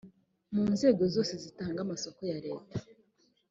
mu nzego zose zitanga amasoko ya leta